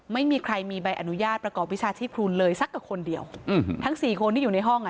ไม่มีใครมีใบอนุญาตประกอบวิชาชีพครูเลยสักกับคนเดียวอืมทั้งสี่คนที่อยู่ในห้องอ่ะ